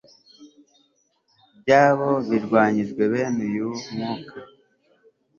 byabo birwanyijwe Bene uyu mwuka